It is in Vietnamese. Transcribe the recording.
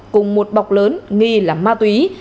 cùng một bọc lớn nghi là ma túy